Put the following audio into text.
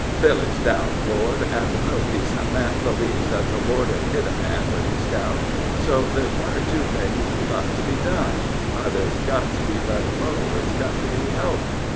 "Billy's down, Lord, an' no decent man b'lieves that the Lord 'ud hit a man when he's down, so there's one or two things got to be done either he's got to be let alone, or he's got to be helped.